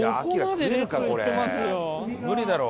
無理だろ。